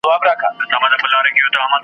تاریخ راتلونکی روښانوي.